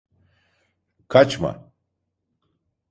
Kaçma!